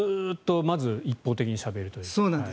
まず一方的にしゃべっていて。